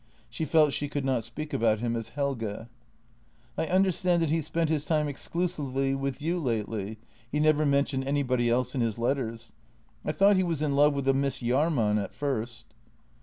She felt she could not speak about him as Helge. " I understand that he spent his time exclusively with you lately — he never mentioned anybody else in his letters. I thought he was in love with a Miss Jahrman at first."